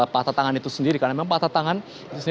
patah tangan itu sendiri karena memang patah tangan